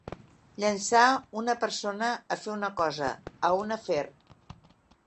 Llançar una persona a fer una cosa, a un afer.